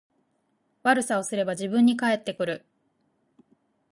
悪さをすれば自分に返ってくる